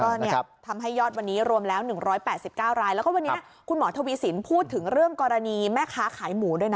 ก็เนี่ยทำให้ยอดวันนี้รวมแล้ว๑๘๙รายแล้วก็วันนี้คุณหมอทวีสินพูดถึงเรื่องกรณีแม่ค้าขายหมูด้วยนะ